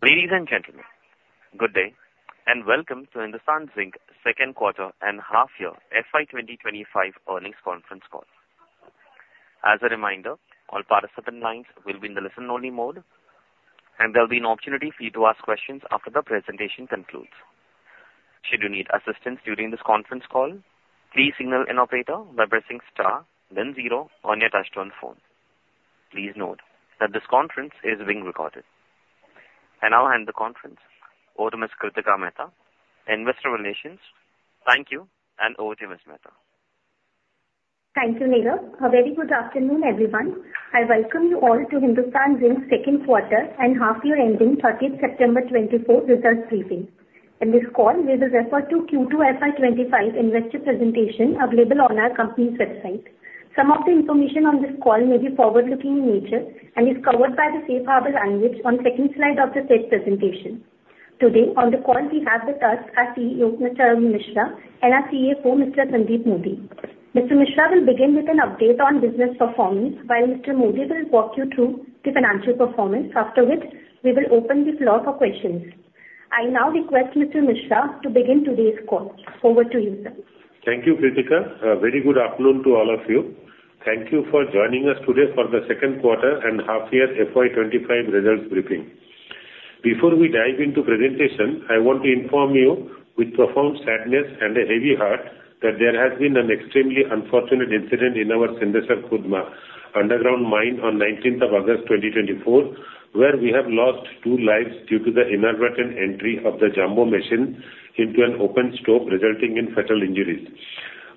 Ladies and gentlemen, good day, and welcome to Hindustan Zinc Second Quarter and half year FY 2025 earnings conference call. As a reminder, all participant lines will be in the listen-only mode, and there'll be an opportunity for you to ask questions after the presentation concludes. Should you need assistance during this conference call, please signal an operator by pressing star, then zero on your touchtone phone. Please note that this conference is being recorded. I now hand the conference over to Miss Kritika Mehta, Investor Relations. Thank you, and over to Miss Mehta. Thank you, Neeraj. A very good afternoon, everyone. I welcome you all to Hindustan Zinc second quarter and half year ending 30 September 2024 results briefing. In this call, we will refer to Q2 FY25 investor presentation available on our company's website. Some of the information on this call may be forward-looking in nature and is covered by the safe harbor language on second slide of the said presentation. Today, on the call, we have with us our CEO, Mr. Arun Misra, and our CFO, Mr. Sandeep Modi. Mr. Misra will begin with an update on business performance, while Mr. Modi will walk you through the financial performance, after which we will open the floor for questions. I now request Mr. Misra to begin today's call. Over to you, sir. Thank you, Kritika. A very good afternoon to all of you. Thank you for joining us today for the second quarter and half year FY 2025 results briefing. Before we dive into presentation, I want to inform you with profound sadness and a heavy heart that there has been an extremely unfortunate incident in our Sindesar Khurd underground mine on 19th of August 2024, where we have lost two lives due to the inadvertent entry of the jumbo machine into an open stope, resulting in fatal injuries.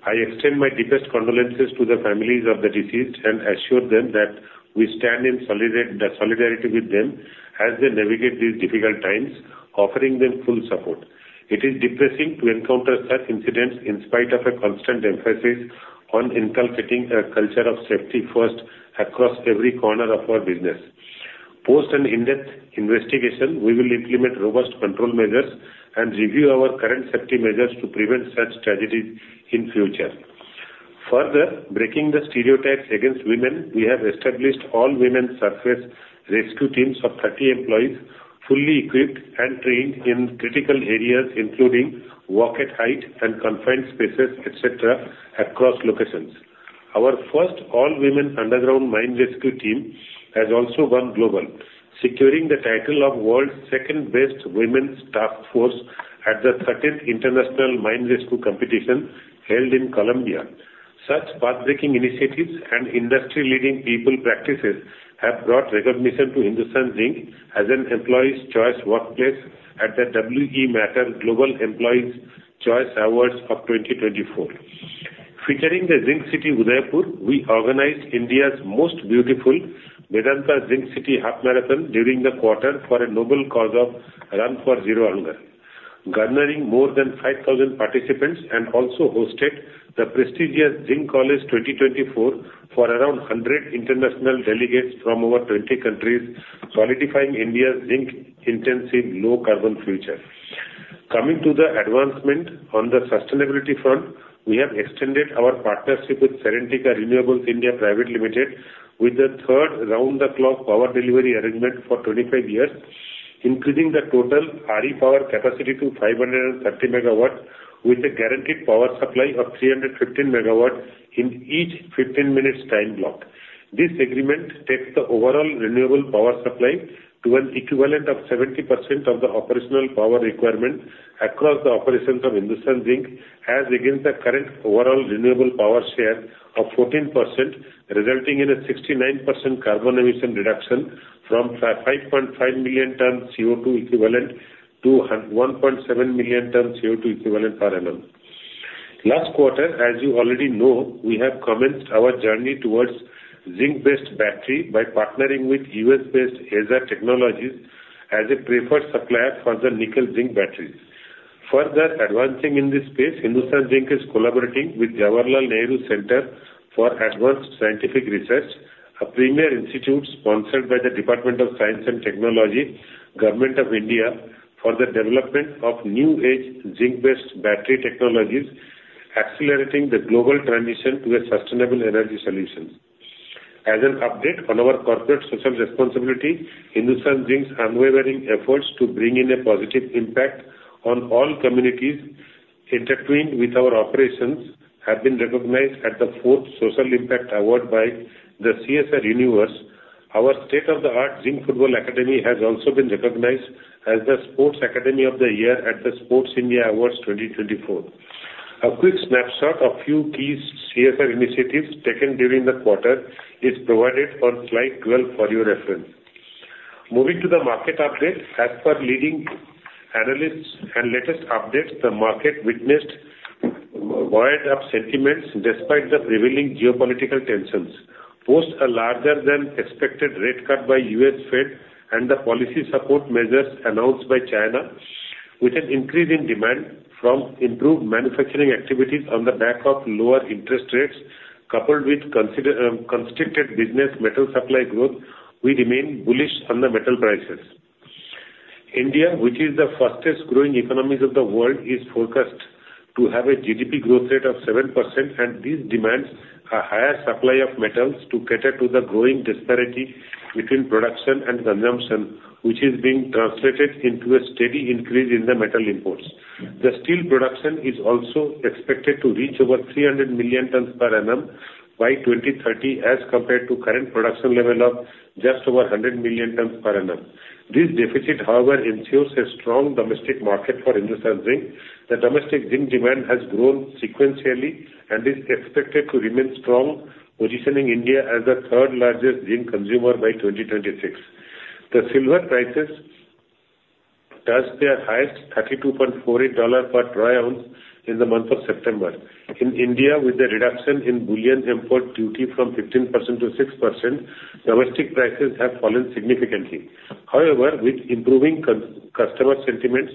I extend my deepest condolences to the families of the deceased and assure them that we stand in solidarity with them as they navigate these difficult times, offering them full support. It is depressing to encounter such incidents in spite of a constant emphasis on inculcating a culture of safety first across every corner of our business. Following an in-depth investigation, we will implement robust control measures and review our current safety measures to prevent such tragedies in future. Further, breaking the stereotypes against women, we have established all-women surface rescue teams of thirty employees, fully equipped and trained in critical areas, including work at height and confined spaces, et cetera, across locations. Our first all-women underground mine rescue team has also gone global, securing the title of world's second-best women's task force at the thirteenth International Mine Rescue Competition, held in Colombia. Such pathbreaking initiatives and industry-leading people practices have brought recognition to Hindustan Zinc as an employee's choice workplace at the WE-Matter Global Employees' Choice Awards of 2024. Featuring the Zinc City Udaipur, we organized India's most beautiful Vedanta Zinc City Half Marathon during the quarter for a noble cause of Run for Zero Hunger, garnering more than 5,000 participants, and also hosted the prestigious Zinc College 2024 for around 100 international delegates from over 20 countries, solidifying India's zinc-intensive low carbon future. Coming to the advancement on the sustainability front, we have extended our partnership with Serentica Renewables, with the third round-the-clock power delivery arrangement for 25 years, increasing the total RE power capacity to 530 MW, with a guaranteed power supply of 315 MW in each 15 minutes time block. This agreement takes the overall renewable power supply to an equivalent of 70% of the operational power requirement across the operations of Hindustan Zinc, as against the current overall renewable power share of 14%, resulting in a 69% carbon emission reduction from 5.5 million tons CO2 equivalent to 1.7 million tons CO2 equivalent per annum. Last quarter, as you already know, we have commenced our journey towards zinc-based battery by partnering with US-based Aesir Technologies as a preferred supplier for the nickel zinc batteries. Further advancing in this space, Hindustan Zinc is collaborating with Jawaharlal Nehru Centre for Advanced Scientific Research, a premier institute sponsored by the Department of Science and Technology, Government of India, for the development of new age zinc-based battery technologies, accelerating the global transition to a sustainable energy solution. As an update on our corporate social responsibility, Hindustan Zinc's unwavering efforts to bring in a positive impact on all communities intertwined with our operations have been recognized at the fourth Social Impact Award by the CSR Universe. Our state-of-the-art Zinc Football Academy has also been recognized as the Sports Academy of the Year at the Sports India Awards 2024. A quick snapshot of a few key CSR initiatives taken during the quarter is provided on slide 12 for your reference. Moving to the market update. As per leading analysts and latest updates, the market witnessed a wide range of sentiments despite the prevailing geopolitical tensions. Post a larger-than-expected rate cut by US Fed and the policy support measures announced by China, with an increase in demand from improved manufacturing activities on the back of lower interest rates, coupled with constricted base metal supply growth, we remain bullish on the metal prices. India, which is the fastest growing economies of the world, is forecast to have a GDP growth rate of 7%, and this demands a higher supply of metals to cater to the growing disparity between production and consumption, which is being translated into a steady increase in the metal imports. The steel production is also expected to reach over 300 million tons per annum by 2030, as compared to current production level of just over 100 million tons per annum. This deficit, however, ensures a strong domestic market for Hindustan Zinc. The domestic zinc demand has grown sequentially and is expected to remain strong, positioning India as the third largest zinc consumer by 2026. The silver prices touched their highest, $32.48 per troy ounce, in the month of September. In India, with the reduction in bullion import duty from 15% to 6%, domestic prices have fallen significantly. However, with improving customer sentiments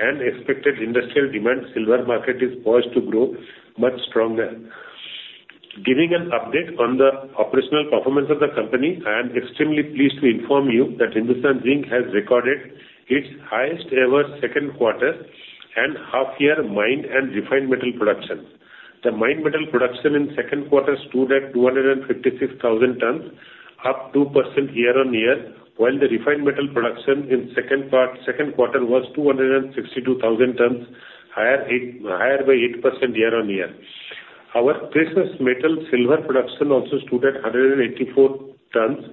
and expected industrial demand, silver market is poised to grow much stronger. Giving an update on the operational performance of the company, I am extremely pleased to inform you that Hindustan Zinc has recorded its highest ever second quarter and half year mine and refined metal production. The mined metal production in second quarter stood at 256 thousand tons, up 2% year-on-year, while the refined metal production in second quarter was 262 thousand tons, higher by 8% year-on-year. Our precious metal silver production also stood at 184 tons,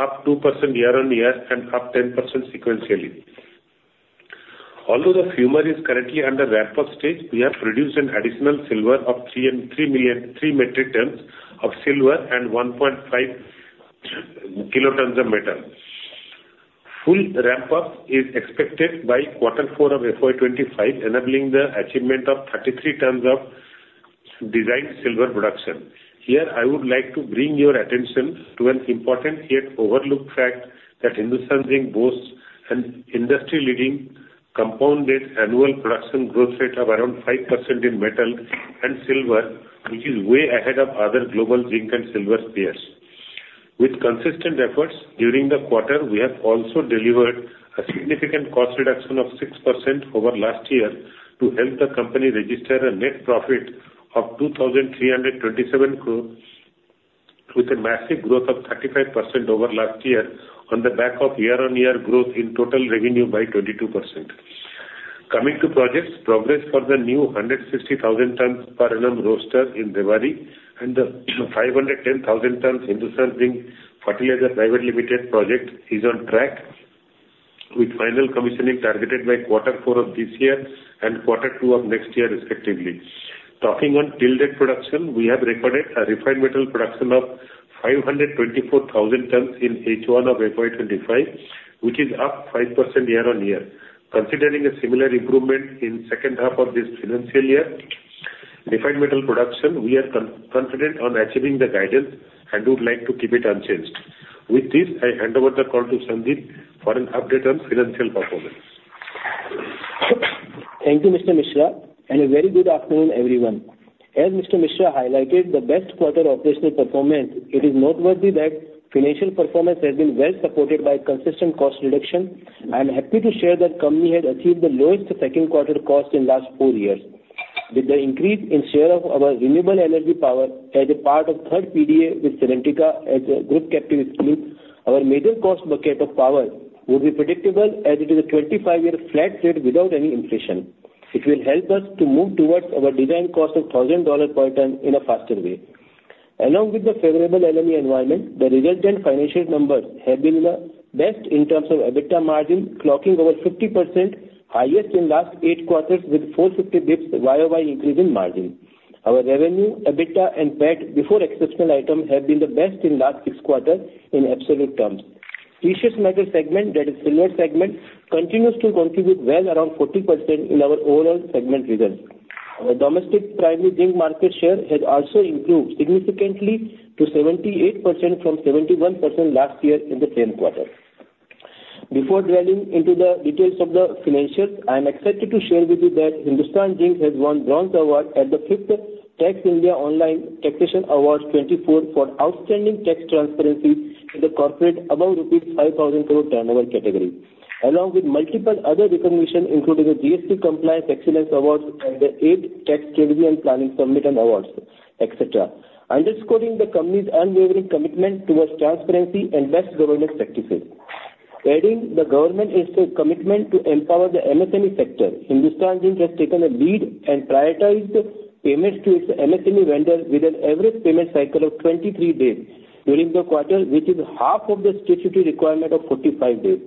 up 2% year-on-year and up 10% sequentially. Although the fumer is currently under ramp-up stage, we have produced an additional silver of 3.3 metric tons of silver and 1.5 kilotons of metal. Full ramp-up is expected by quarter four of FY25, enabling the achievement of 33 tons of designed silver production. Here, I would like to bring your attention to an important yet overlooked fact, that Hindustan Zinc boasts an industry-leading compounded annual production growth rate of around 5% in metal and silver, which is way ahead of other global zinc and silver peers. With consistent efforts during the quarter, we have also delivered a significant cost reduction of 6% over last year to help the company register a net profit of INR 2,327 crore, with a massive growth of 35% over last year, on the back of year-on-year growth in total revenue by 22%. Coming to projects, progress for the new 160,000 tons per annum roaster in Debari, and the 510,000 tons Hindustan Zinc Fertilisers Private Limited project is on track, with final commissioning targeted by quarter four of this year and quarter two of next year, respectively. Talking of to-date production, we have recorded a refined metal production of 524,000 tons in H1 of FY25, which is up 5% year-on-year. Considering a similar improvement in second half of this financial year, refined metal production, we are confident on achieving the guidance and would like to keep it unchanged. With this, I hand over the call to Sandeep for an update on financial performance. Thank you, Mr. Misra, and a very good afternoon, everyone. As Mr. Misra highlighted the best quarter operational performance, it is noteworthy that financial performance has been well supported by consistent cost reduction. I am happy to share that company has achieved the lowest second quarter cost in last four years. With the increase in share of our renewable energy power as a part of third PDA with Serentica as a group captive scheme, our major cost bucket of power will be predictable as it is a 25 year flat rate without any inflation. It will help us to move towards our design cost of $1,000 per ton in a faster way. Along with the favorable LME environment, the resultant financial numbers have been the best in terms of EBITDA margin, clocking over 50%, highest in last eight quarters, with four fifty basis points YOY increase in margin. Our revenue, EBITDA, and PAT before exceptional items, have been the best in last six quarters in absolute terms. Precious metal segment, that is silver segment, continues to contribute well around 40% in our overall segment results. Our domestic primary zinc market share has also improved significantly to 78% from 71% last year in the same quarter. Before dwelling into the details of the financials, I am excited to share with you that Hindustan Zinc has won Bronze Award at the fifth Tax India Online Taxation Awards 2024 for Outstanding Tax Transparency in the corporate above rupees 5,000 crore turnover category. Along with multiple other recognition, including the GST Compliance Excellence Awards and the Eighth Tax Strategy and Planning Summit Awards, et cetera, underscoring the company's unwavering commitment towards transparency and best governance practices. In addition to the government's commitment to empower the MSME sector, Hindustan Zinc has taken a lead and prioritized payments to its MSME vendors with an average payment cycle of 23 days during the quarter, which is half of the statutory requirement of 45 days.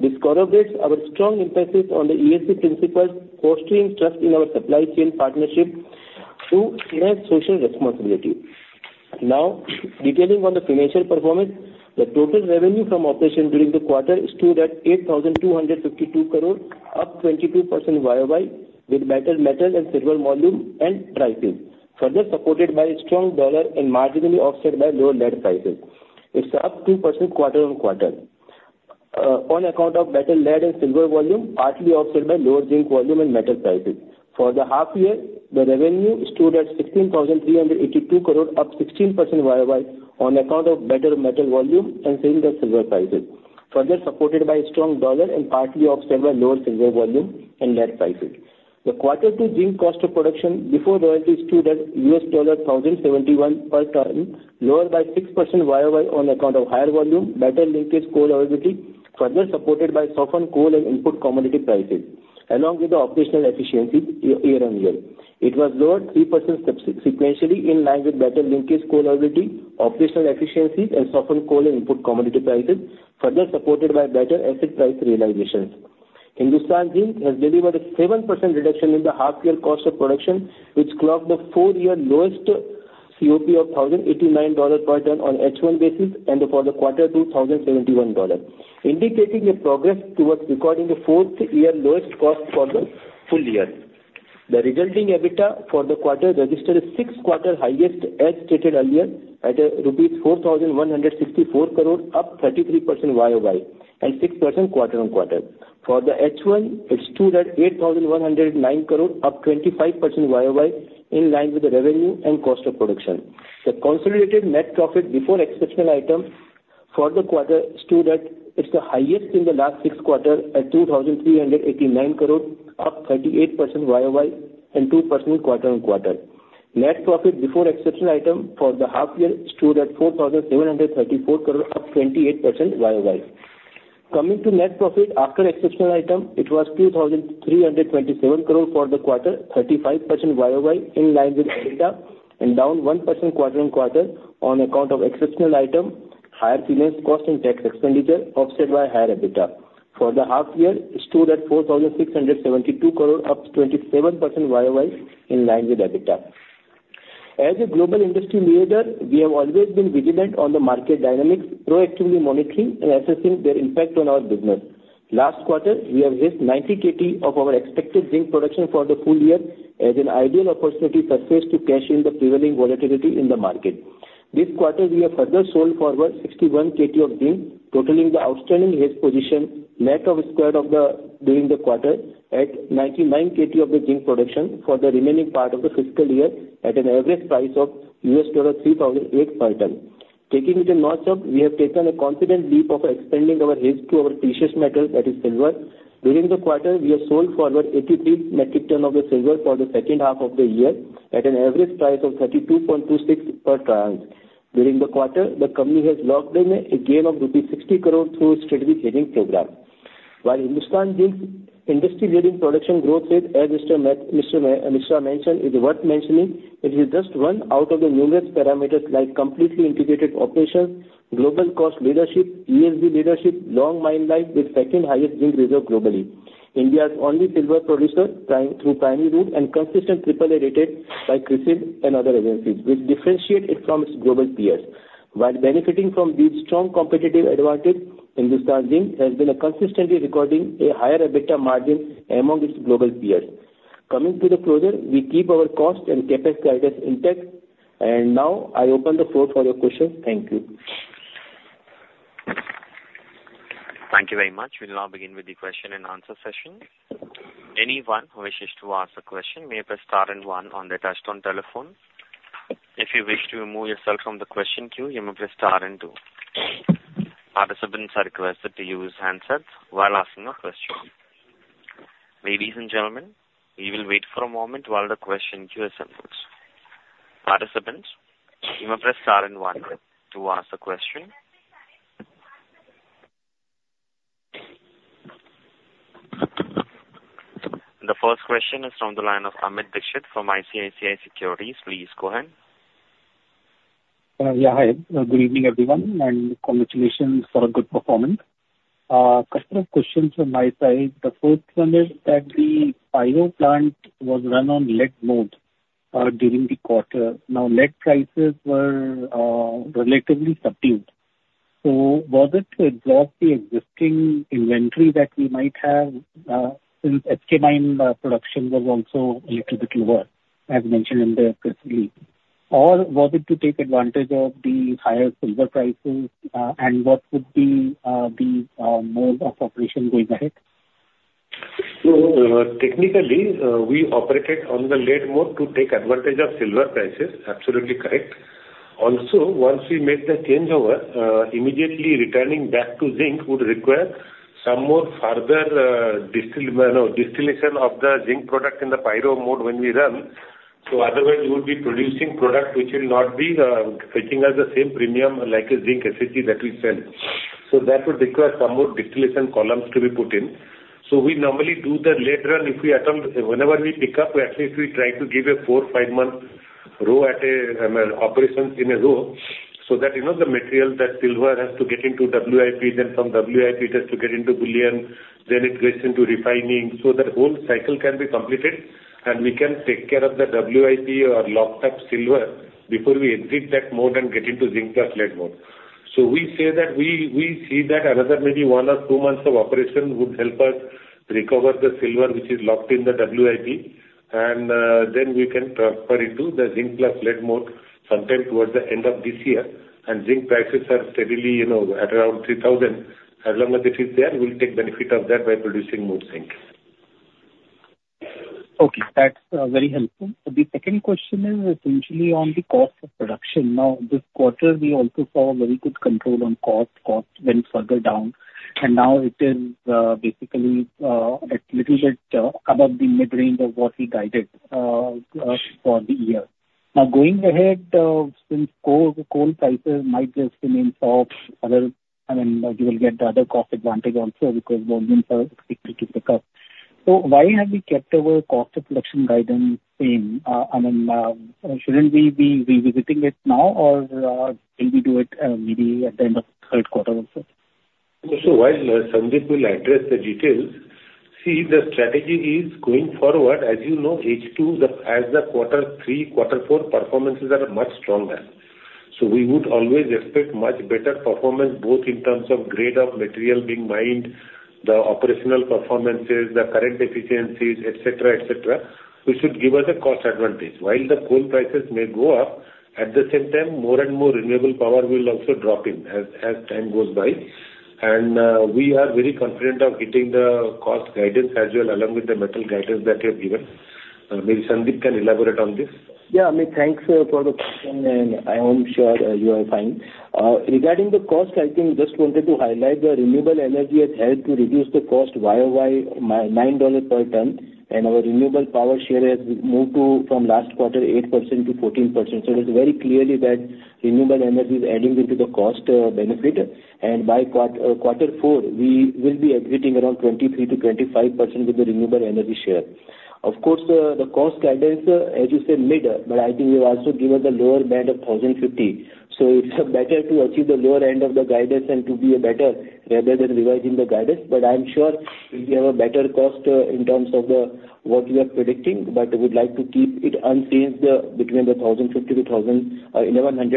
This corroborates our strong emphasis on the ESG principles, fostering trust in our supply chain partnership to enhance social responsibility. Now, detailing on the financial performance, the total revenue from operations during the quarter stood at 8,252 crore, up 22% YOY, with better metal and silver volume and price. Further supported by strong dollar and marginally offset by lower lead prices. It's up 2% quarter on quarter. On account of better lead and silver volume, partly offset by lower zinc volume and metal prices. For the half year, the revenue stood at 16,382 crore, up 16% YOY on account of better metal volume and higher silver prices, further supported by strong dollar and partly offset by lower silver volume and net prices. The quarter two zinc cost of production before royalty stood at $1,071 per ton, lower by 6% YOY on account of higher volume, better linkage, coal availability, further supported by softened coal and input commodity prices, along with the operational efficiency year-on-year. It was lower 3% sequentially, in line with better linkage, coal availability, operational efficiencies and softened coal and input commodity prices, further supported by better metal price realizations. Hindustan Zinc has delivered a 7% reduction in the half year cost of production, which clocked the four-year lowest COP of $1,089 per ton on H1 basis and for the quarter two, $1,071, indicating a progress towards recording the four-year lowest cost for the full year. The resulting EBITDA for the quarter registered a six-quarter highest, as stated earlier, at rupees 4,164 crore, up 33% YOY and 6% quarter on quarter. For the H1, it stood at 8,109 crore, up 25% YOY, in line with the revenue and cost of production. The consolidated net profit before exceptional items for the quarter stood at. It's the highest in the last six quarters at 2,389 crore, up 38% YOY and 2% quarter on quarter. Net profit before exceptional item for the half year stood at 4,734 crore, up 28% YOY. Coming to net profit after exceptional item, it was 2,327 crore for the quarter, 35% YOY, in line with EBITDA, and down 1% quarter on quarter on account of exceptional item, higher finance cost and tax expenditure, offset by higher EBITDA. For the half year, it stood at 4,672 crore, up 27% YOY, in line with EBITDA. As a global industry leader, we have always been vigilant on the market dynamics, proactively monitoring and assessing their impact on our business. Last quarter, we have raised 90 KT of our expected zinc production for the full year as an ideal opportunity surfaced to cash in the prevailing volatility in the market. This quarter, we have further sold forward 61 KT of zinc, totaling the outstanding hedge position net of squared-off during the quarter at 99 KT of the zinc production for the remaining part of the fiscal year at an average price of $3,008 per ton. Taking it a notch up, we have taken a confident leap of expanding our hedge to our precious metal, that is silver. During the quarter, we have sold forward 83 metric tons of the silver for the second half of the year at an average price of $32.26 per ounce. During the quarter, the company has locked in a gain of rupees 60 crore through a strategic hedging program. While Hindustan Zinc industry-leading production growth rate, as Mr. Misra mentioned, is worth mentioning, it is just one out of the numerous parameters like completely integrated operations, global cost leadership, ESG leadership, long mine life with second highest zinc reserve globally. India's only silver producer through primary route and consistent triple A rated by CRISIL and other agencies, which differentiate it from its global peers. While benefiting from these strong competitive advantage, Hindustan Zinc has been consistently recording a higher EBITDA margin among its global peers. Coming to the closure, we keep our cost and CapEx guidance intact, and now, I open the floor for your questions. Thank you. Thank you very much. We'll now begin with the question and answer session. Anyone who wishes to ask a question may press star and one on their touchtone telephone. If you wish to remove yourself from the question queue, you may press star and two. Participants are requested to use handsets while asking a question. Ladies and gentlemen, we will wait for a moment while the question queue assembles. Participants, you may press star and one to ask a question. The first question is from the line of Amit Dixit from ICICI Securities. Please go ahead. Yeah, hi. Good evening, everyone, and congratulations for a good performance. Couple questions from my side. The first one is that the pyro plant was run on lead mode during the quarter. Now, lead prices were relatively subdued, so was it to exhaust the existing inventory that we might have since SK mine production was also a little bit lower, as mentioned in the press release, or was it to take advantage of the higher silver prices? And what would be the mode of operation going ahead? So, technically, we operated on the lead mode to take advantage of silver prices. Absolutely correct. Also, once we made the changeover, immediately returning back to zinc would require some more further distillation of the zinc product in the pyro mode when we run. So otherwise, you would be producing product which will not be fetching us the same premium like a zinc oxide that we sell. So that would require some more distillation columns to be put in. So we normally do the lead run if we at all. Whenever we pick up, we at least try to give a four, five-month run of operations in a row, so that you know, the material, that silver has to get into WIP, then from WIP, it has to get into bullion, then it gets into refining. That whole cycle can be completed, and we can take care of the WIP or locked up silver before we exit that mode and get into zinc plus lead mode. We say that we, we see that another maybe one or two months of operation would help us recover the silver, which is locked in the WIP, and then we can transfer it to the zinc plus lead mode sometime towards the end of this year. Zinc prices are steadily, you know, at around $3,000. As long as it is there, we'll take benefit of that by producing more zinc. ... Okay, that's very helpful. The second question is essentially on the cost of production. Now, this quarter, we also saw very good control on cost. Cost went further down, and now it is basically a little bit above the mid-range of what we guided for the year. Now, going ahead, since coal prices might just remain soft, other-- I mean, you will get the other cost advantage also because volumes are expected to pick up. So why have we kept our cost of production guidance same? I mean, shouldn't we be revisiting it now, or will we do it maybe at the end of third quarter also? So while Sandeep will address the details, see, the strategy is going forward, as you know, H2, as the quarter three, quarter four performances are much stronger. So we would always expect much better performance, both in terms of grade of material being mined, the operational performances, the current efficiencies, et cetera, et cetera, which should give us a cost advantage. While the coal prices may go up, at the same time, more and more renewable power will also drop in as time goes by. And we are very confident of hitting the cost guidance as well, along with the metal guidance that we have given. Maybe Sandeep can elaborate on this. Yeah, Amit, thanks for the question, and I am sure you are fine. Regarding the cost, I think just wanted to highlight the renewable energy has helped to reduce the cost YOY nine dollars per ton, and our renewable power share has moved to, from last quarter, 8% to 14%. So it is very clearly that renewable energy is adding into the cost benefit. And by quarter four, we will be exiting around 23%-25% with the renewable energy share. Of course, the cost guidance, as you said, mid, but I think we have also given the lower band of $1,050. So it's better to achieve the lower end of the guidance and to be a better, rather than revising the guidance. But I'm sure we have a better cost in terms of what we are predicting, but we would like to keep it unchanged between 1,050-1,100.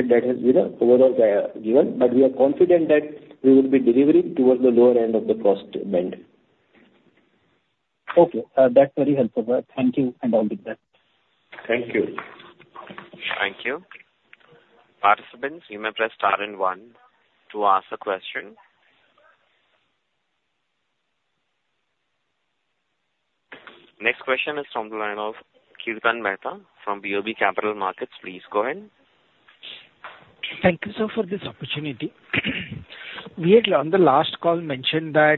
That has been the overall guide given. But we are confident that we will be delivering towards the lower end of the cost band. Okay, that's very helpful. Thank you, and I'll be back. Thank you. Thank you. Participants, you may press star and one to ask a question. Next question is from the line of Kirtan Mehta from BOB Capital Markets. Please go ahead. Thank you, sir, for this opportunity. We had on the last call mentioned that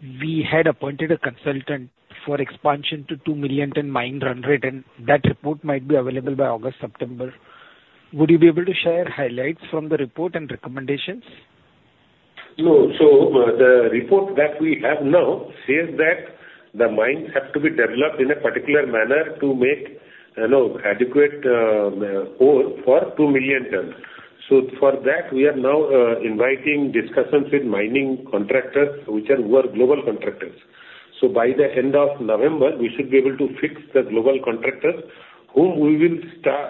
we had appointed a consultant for expansion to two million ton mine run rate, and that report might be available by August, September. Would you be able to share highlights from the report and recommendations? No. So, the report that we have now says that the mines have to be developed in a particular manner to make, you know, adequate ore for two million tons. So for that, we are now inviting discussions with mining contractors, which are, who are global contractors. So by the end of November, we should be able to fix the global contractors, whom we will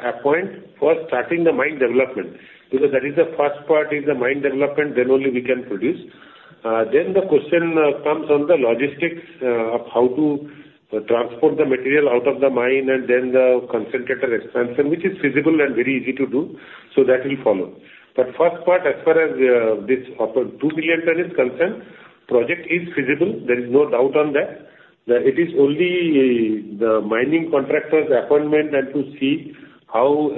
appoint for starting the mine development. Because that is the first part, is the mine development, then only we can produce. Then the question comes on the logistics of how to transport the material out of the mine and then the concentrator expansion, which is feasible and very easy to do. So that will follow. But first part, as far as this of a two million ton is concerned, project is feasible. There is no doubt on that. It is only the mining contractor's appointment, and to see how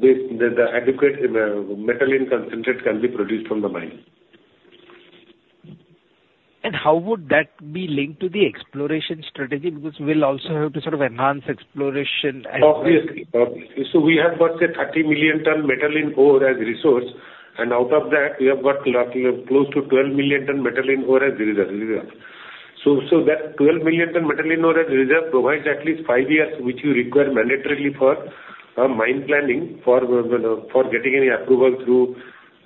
the adequate metal and concentrate can be produced from the mine. How would that be linked to the exploration strategy? Because we'll also have to sort of enhance exploration as well. Obviously, obviously. So we have got, say, thirty million ton metal in ore as resource, and out of that, we have got close to twelve million ton metal in ore as reserve. So, that twelve million ton metal in ore as reserve provides at least five years, which you require mandatorily for mine planning, for getting any approval through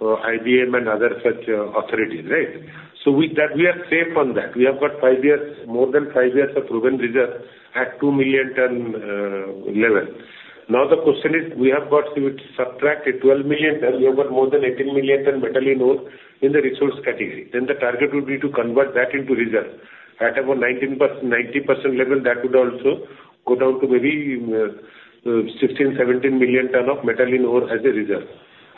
IBM and other such authorities, right? So with that, we are safe on that. We have got five years, more than five years of proven reserve at two million ton level. Now, the question is, we have got, if you subtract the twelve million ton, we have got more than eighteen million ton metal in ore in the resource category. Then the target would be to convert that into reserve. At about 90% level, that would also go down to maybe 16-17 million tons of metal in ore as a reserve.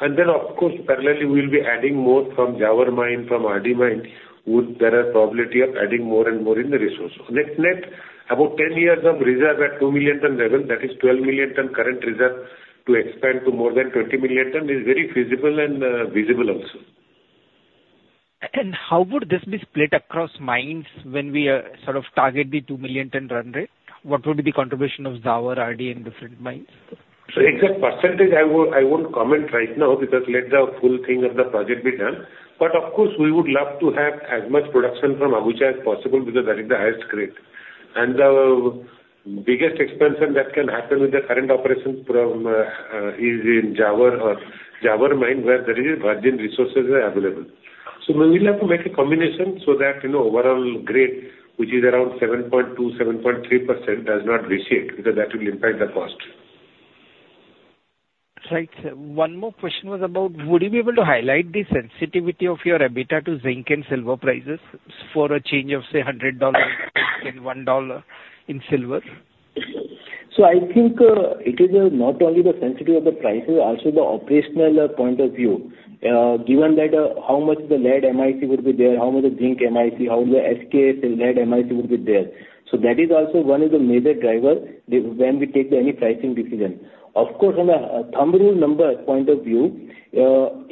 And then, of course, parallelly, we will be adding more from Zawar mine, from Rajpura Dariba mine. There are probability of adding more and more in the resource. Net-net, about 10 years of reserve at 2 million ton level, that is 12 million ton current reserve, to expand to more than 20 million ton is very feasible and visible also. How would this be split across mines when we sort of target the two million ton run rate? What would be the contribution of Zawar, Rajpura Dariba and different mines? So as a percentage, I won't, I won't comment right now because let the full thing of the project be done. But of course, we would love to have as much production from Rampura Agucha as possible, because that is the highest grade. And the biggest expansion that can happen with the current operations from is in Zawar, Zawar mine, where there is virgin resources are available. So we will have to make a combination so that, you know, overall grade, which is around 7.2%-7.3%, does not vitiate, because that will impact the cost. Right, sir. One more question was about, would you be able to highlight the sensitivity of your EBITDA to zinc and silver prices for a change of, say, $100 and $1 in silver?... So I think it is not only the sensitivity of the prices, also the operational point of view. Given that, how much the lead MIC will be there, how much the zinc MIC, how the SK lead MIC will be there. So that is also one of the major driver when we take any pricing decision. Of course, from a thumb rule number point of view,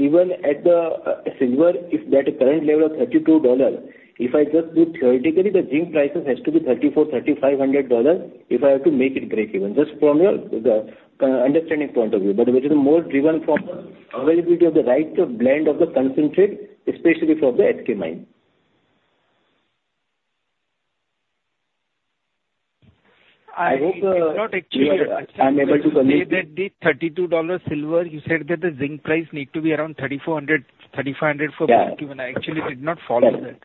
even at the silver, if that current level of $32, if I just put theoretically, the zinc prices has to be $3,400-$3,500, if I have to make it break even. Just from your key understanding point of view. But it is more driven from the availability of the right blend of the concentrate, especially for the SK mine. I hope you are. I'm able to convince- I did not actually hear. You said that the $32 silver, you said that the zinc price need to be around $3,400-$3,500 for break even. Yeah. I actually did not follow that.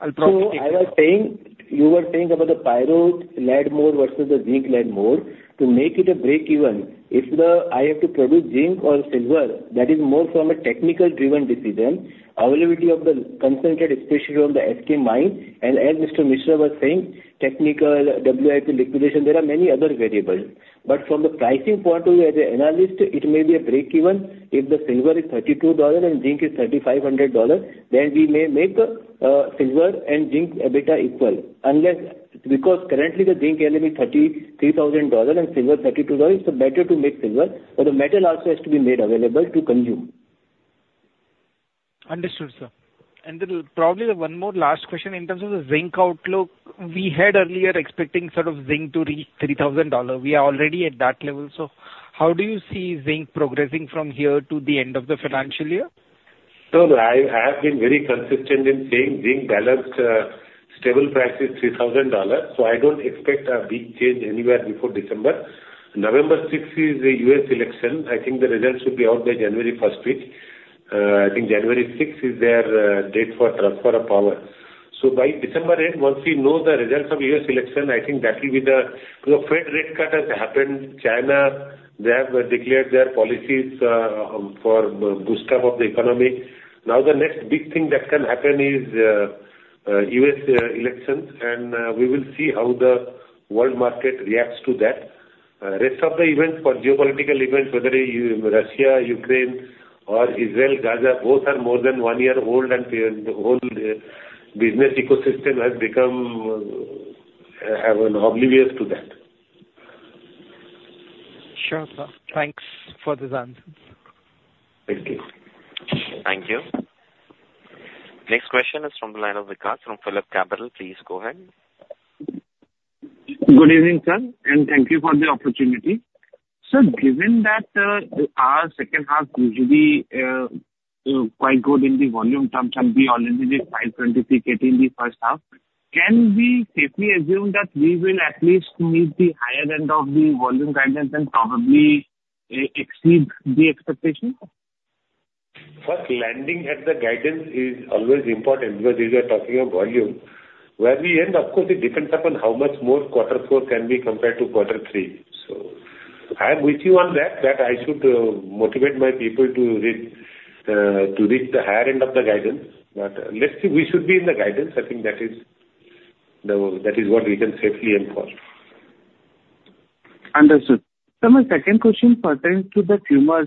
I'll probably- So I was saying, you were saying about the pyro lead ore versus the zinc lead ore. To make it a break even, if the, I have to produce zinc or silver, that is more from a technical driven decision. Availability of the concentrate, especially on the SK mine, and as Mr. Misra was saying, technical WIP liquidation, there are many other variables. But from the pricing point of view, as an analyst, it may be a break even if the silver is $32 and zinc is $3,500, then we may make silver and zinc EBITDA equal. Unless, because currently the zinc LME $33,000 and silver $32, it's better to make silver, but the metal also has to be made available to consume. Understood, sir. And then probably the one more last question in terms of the zinc outlook. We had earlier expecting sort of zinc to reach $3,000. We are already at that level. So how do you see zinc progressing from here to the end of the financial year? I have been very consistent in saying zinc balanced, stable price is $3,000, so I don't expect a big change anywhere before December. November sixth is the U.S. election. I think the results should be out by January first week. I think January sixth is their date for transfer of power. By December eighth, once we know the results of U.S. election, I think that will be the... The Fed rate cut has happened. China, they have declared their policies for boost up of the economy. Now, the next big thing that can happen is U.S. elections, and we will see how the world market reacts to that. Rest of the events for geopolitical events, whether it is Russia, Ukraine, or Israel, Gaza, both are more than one year old, and the whole business ecosystem has become oblivious to that. Sure, sir. Thanks for the answers. Thank you. Thank you. Next question is from the line of Vikas from Phillip Capital. Please go ahead. Good evening, sir, and thank you for the opportunity. Sir, given that, our second half usually quite good in the volume terms, and we already did five 23 K in the first half, can we safely assume that we will at least meet the higher end of the volume guidance and probably exceed the expectation? First, landing at the guidance is always important, because these are talking of volume. Where we end, of course, it depends upon how much more Quarter Four can be compared to Quarter Three. So I'm with you on that, that I should motivate my people to reach the higher end of the guidance. But let's see, we should be in the guidance. I think that is what we can safely enforce. Understood. Sir, my second question pertains to the fumers.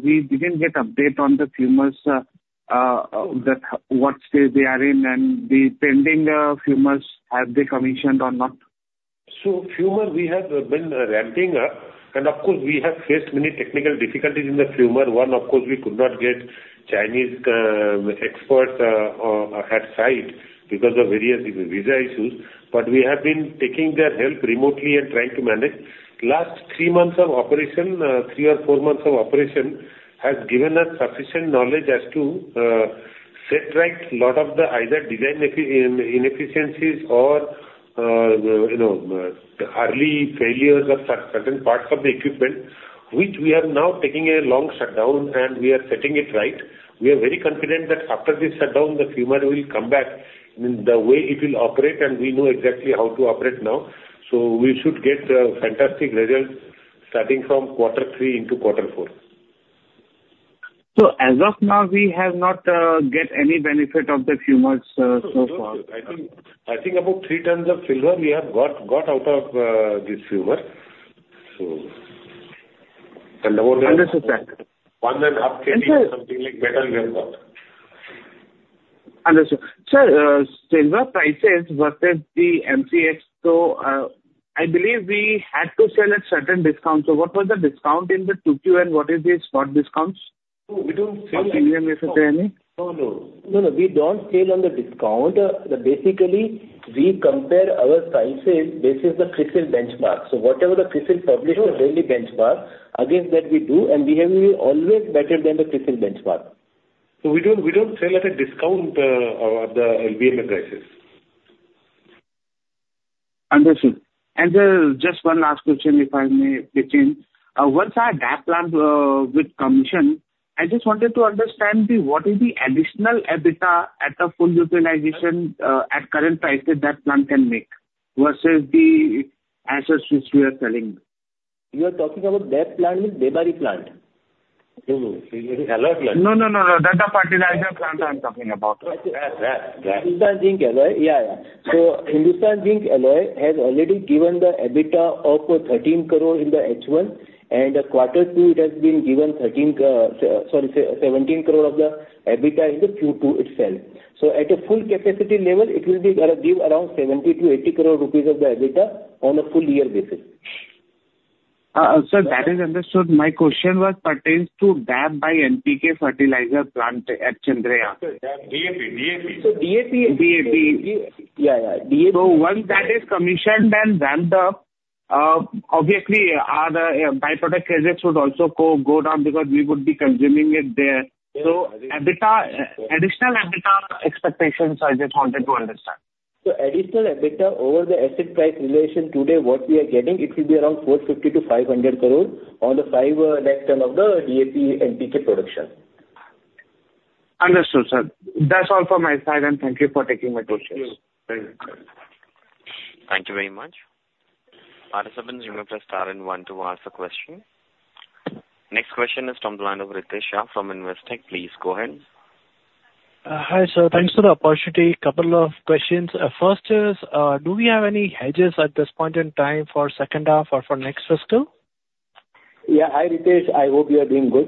We didn't get update on the fumers, what stage they are in, and the pending fumers, have they commissioned or not? So fumer, we have been ramping up, and of course, we have faced many technical difficulties in the fumer. One, of course, we could not get Chinese experts at site because of various visa issues, but we have been taking their help remotely and trying to manage. Last three months of operation, three or four months of operation, has given us sufficient knowledge as to set right lot of the either design inefficiencies or, you know, early failures of certain parts of the equipment, which we are now taking a long shutdown, and we are setting it right. We are very confident that after this shutdown, the fumer will come back in the way it will operate, and we know exactly how to operate now. So we should get fantastic results starting from Quarter Three into Quarter Four. So as of now, we have not get any benefit of the fumers, so far? No, no. I think about three tons of silver we have got out of this fumer. So... Understood, sir. One and a half something like metal we have got. Understood. Sir, silver prices versus the MCX, so, I believe we had to sell at certain discount. So what was the discount in the 2Q, and what is the spot discounts? No, we don't sell- Or if there any? No, no. No, no, we don't sell on the discount. Basically, we compare our silver sales versus the CRISIL benchmark. So whatever the CRISIL publish the daily benchmark, against that we do, and we have been always better than the CRISIL benchmark. So we don't sell at a discount to the LME prices. Understood. And, just one last question, if I may pitch in. Once our DAP plant with commission, I just wanted to understand the, what is the additional EBITDA at a full utilization, at current prices that plant can make versus the assets which we are selling? You are talking about DAP plant, means Debari plant? ... No, no, no, no, that's the fertilizer plant I'm talking about. That, that, that. Hindustan Zinc Alloy. So Hindustan Zinc Alloy has already given the EBITDA up to 13 crore in the H1, and the quarter two, it has been given 17 crore of the EBITDA in the Q2 itself. So at a full capacity level, it will be give around 70-80 crore rupees of the EBITDA on a full year basis. Sir, that is understood. My question was pertains to DAP/NPK Fertilizer Plant at Chanderia. DAP, DAP. So DAP- DAP. Yeah, yeah, DAP. So once that is commissioned, then obviously our byproduct costs would also go down because we would be consuming it there. So EBITDA additional EBITDA expectations, I just wanted to understand. Additional EBITDA over the asset price realization today, what we are getting. It will be around 450-500 crore on the five next term of the DAP NPK production. Understood, sir. That's all from my side, and thank you for taking my questions. Thank you. Thank you very much. Participants, you may press star and one to ask the question. Next question is from the line of Ritesh Shah from Investec. Please go ahead. Hi, sir. Thanks for the opportunity. Couple of questions. First is, do we have any hedges at this point in time for second half or for next fiscal? Yeah. Hi, Ritesh, I hope you are doing good.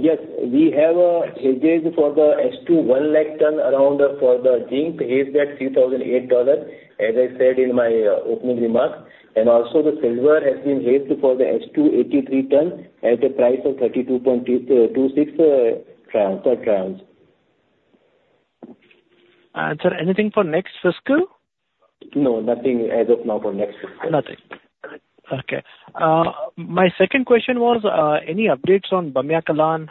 Yes, we have hedges for the H2 1 lakh ton around for the zinc at $2,008, as I said in my opening remarks. And also the silver has been hedged for the H2 83 ton at the price of $32.226 ounces. Sir, anything for next fiscal? No, nothing as of now for next fiscal. Nothing. Okay. My second question was, any updates on Bamnia Kalan?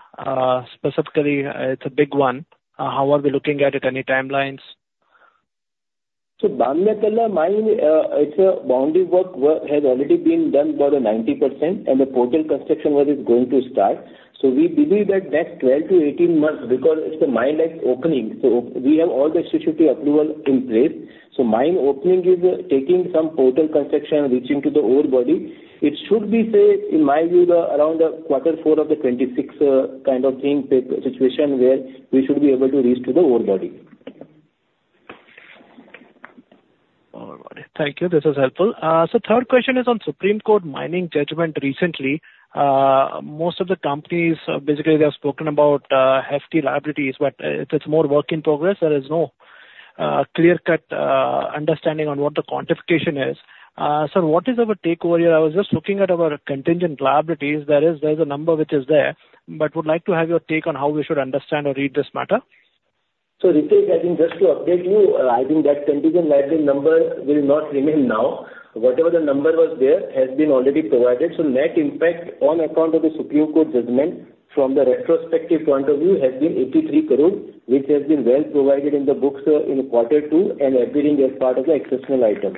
Specifically, it's a big one. How are we looking at it? Any timelines? Bamnia Kalan mine, it's boundary work which has already been done about 90%, and the portal construction work is going to start. We believe that next 12 to 18 months, because it's the mine that's opening, so we have all the necessary approval in place. Mine opening is taking some portal construction, reaching to the ore body. It should be say, in my view, around the quarter four of 2026, kind of thing, situation where we should be able to reach to the ore body. All right. Thank you. This is helpful. So third question is on Supreme Court mining judgment recently. Most of the companies basically they have spoken about hefty liabilities, but it's more work in progress. There is no clear-cut understanding on what the quantification is. So what is our takeaway here? I was just looking at our contingent liabilities. There is a number which is there, but would like to have your take on how we should understand or read this matter. Ritesh, I think just to update you, I think that contingent liability number will not remain now. Whatever the number was there, has been already provided. So net impact on account of the Supreme Court judgment from the retrospective point of view, has been 83 crore, which has been well provided in the books, in quarter two and appearing as part of the exceptional item.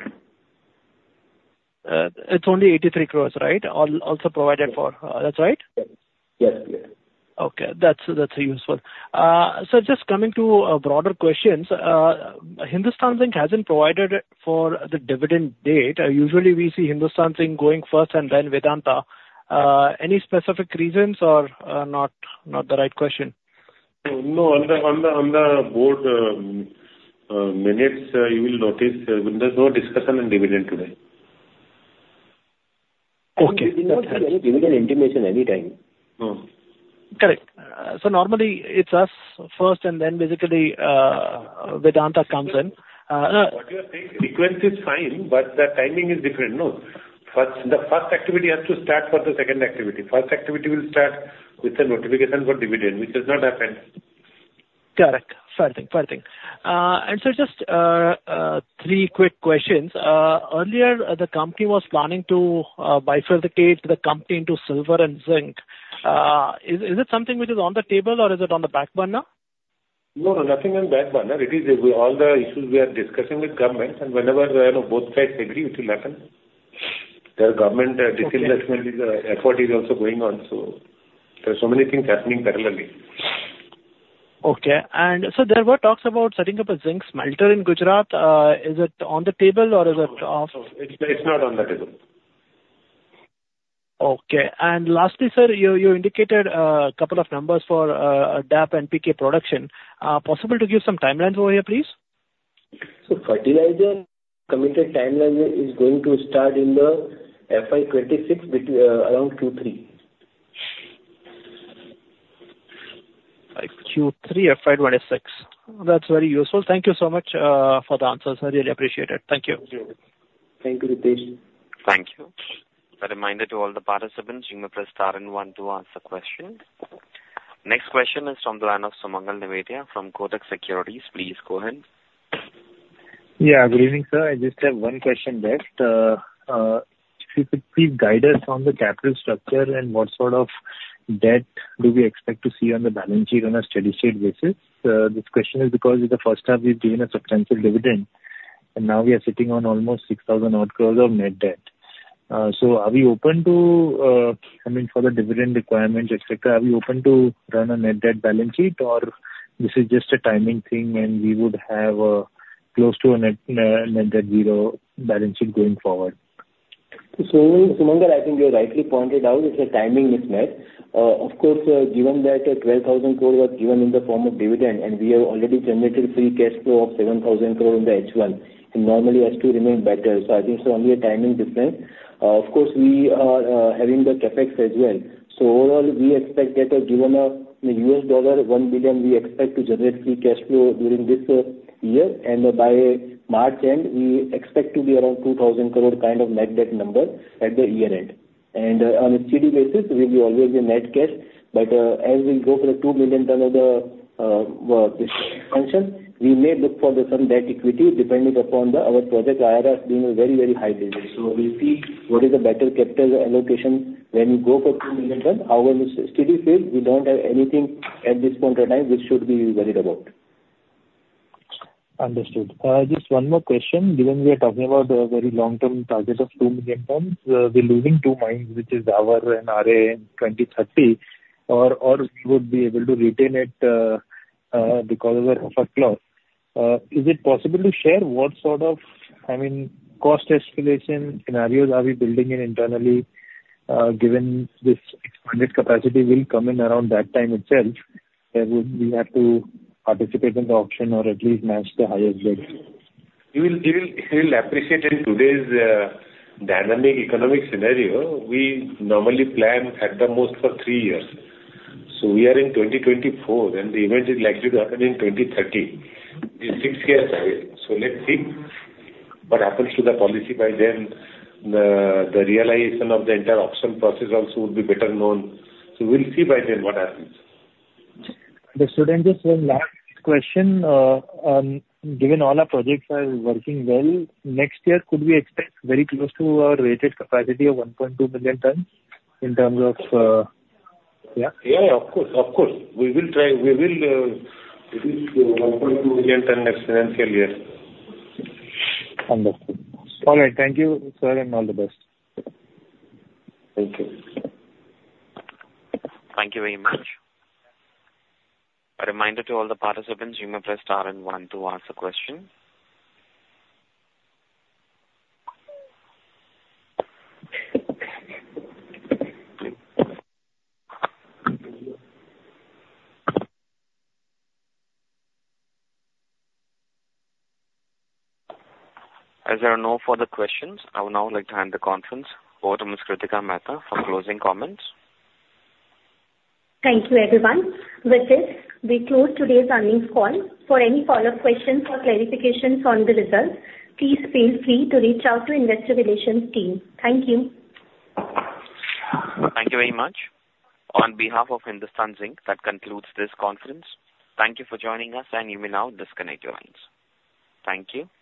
It's only 83 crores, right? Also provided for, that's right? Yes. Yes. Okay. That's, that's useful. So just coming to broader questions, Hindustan Zinc hasn't provided for the dividend date. Usually we see Hindustan Zinc going first and then Vedanta. Any specific reasons or not the right question? No, on the board minutes, you will notice, there's no discussion on dividend today. Okay. We did not give any dividend intimation, anytime. No. Correct. So normally it's us first, and then basically, Vedanta comes in. What you are saying, frequency is fine, but the timing is different, no? First, the first activity has to start for the second activity. First activity will start with the notification for dividend, which has not happened. Correct. Fair thing, and so just three quick questions. Earlier, the company was planning to bifurcate the company into silver and zinc. Is it something which is on the table or is it on the back burner? No, nothing on back burner. It is, all the issues we are discussing with government, and whenever, you know, both sides agree, it will happen. The government, disinvestment- Okay. - is, effort is also going on, so there are so many things happening parallelly. Okay. And so there were talks about setting up a zinc smelter in Gujarat. Is it on the table or is it off? No, it's not on the table. Okay. And lastly, sir, you indicated a couple of numbers for DAP, NPK production. Possible to give some timelines over here, please? So fertilizer committed timeline is going to start in the FY 2026, between around Q3. Like Q3, FY 2026. That's very useful. Thank you so much for the answers. I really appreciate it. Thank you. Thank you, Ritesh. Thank you. A reminder to all the participants, you may press star and one to ask a question. Next question is from the line of Sumangal Nevatia from Kotak Securities. Please go ahead. Yeah, good evening, sir. I just have one question left. If you could please guide us on the capital structure and what sort of debt do we expect to see on the balance sheet on a steady-state basis? This question is because in the first half, we've given a substantial dividend, and now we are sitting on almost 6,000-odd crores of net debt. So are we open to, I mean, for the dividend requirements, et cetera, are we open to run a net debt balance sheet, or this is just a timing thing, and we would have close to a net net debt zero balance sheet going forward?... So, Sumangal, I think you rightly pointed out, it's a timing mismatch. Of course, given that 12,000 crore was given in the form of dividend, and we have already generated free cash flow of 7,000 crore in the H1, and normally has to remain better. So I think it's only a timing difference. Of course, we are having the CapEx as well. So overall, we expect that given a $1 billion, we expect to generate free cash flow during this year, and by March end, we expect to be around 2,000 crore kind of net debt number at the year end. On a steady basis, we'll be always in net cash, but as we go for the two million ton of the expansion, we may look for some debt equity, depending upon our project IRRs being a very, very high business. So we'll see what is a better capital allocation when you go for two million ton. However, in the steady state, we don't have anything at this point in time which should be worried about. Understood. Just one more question, given we are talking about the very long-term target of two million tons, we're losing two mines, which is Zawar and RA in 2030, or we would be able to retain it because of our offer clause. Is it possible to share what sort of, I mean, cost escalation scenarios are we building in internally, given this expanded capacity will come in around that time itself, and we have to participate in the auction or at least match the highest bid? You will appreciate in today's dynamic economic scenario. We normally plan at the most for three years. We are in 2024, and the event is likely to happen in 2030. It's six years ahead. Let's see what happens to the policy by then. The realization of the entire auction process also would be better known. We'll see by then what happens. This would then be just one last question. Given all our projects are working well, next year, could we expect very close to our rated capacity of 1.2 million tons in terms of? Yeah, of course, of course. We will try, we will, reach the 1.2 million ton next financial year. Understood. All right. Thank you, sir, and all the best. Thank you. Thank you very much. A reminder to all the participants, you may press star and one to ask a question. As there are no further questions, I would now like to hand the conference over to Miss Kritika Mehta for closing comments. Thank you, everyone. With this, we close today's earnings call. For any follow-up questions or clarifications on the results, please feel free to reach out to investor relations team. Thank you. Thank you very much. On behalf of Hindustan Zinc, that concludes this conference. Thank you for joining us, and you may now disconnect your lines. Thank you.